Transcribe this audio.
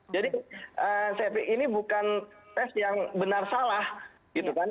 jadi fpi ini bukan tes yang benar salah gitu kan